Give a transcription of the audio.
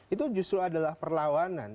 itu justru adalah perlawanan